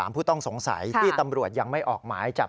ผู้ต้องสงสัยที่ตำรวจยังไม่ออกหมายจับ